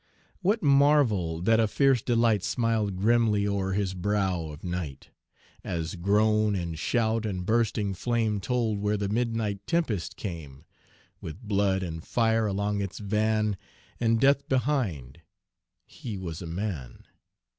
What marvel that a fierce delight Smiled grimly o'er his brow of night, As groan and shout and bursting flame Told where the midnight tempest came, With blood and fire along its van, And death behind! he was a man!